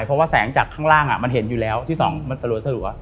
เพราะว่าแสงจากข้างล่างมันเห็นอยู่แล้วที่สองมันสลัว